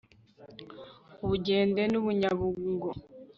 u bugende n'u bunyabungo